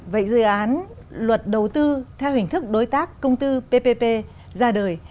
vậy dự án luật đầu tư theo hình thức đối tác công tư ppp ra đời